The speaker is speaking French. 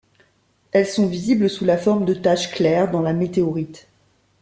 Elles sont visibles sous la forme de taches claires dans la météorite.